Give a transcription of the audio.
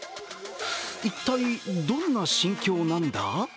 一体、どんな心境なんだ？